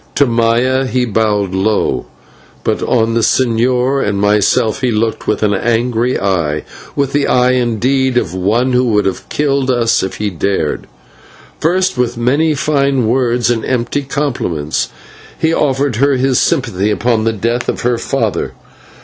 To Maya he bowed low, but on the señor and myself he looked with an angry eye with the eye, indeed, of one who would have killed us if he dared. First, with many fine words and empty compliments, he offered her his sympathy upon the death of her father.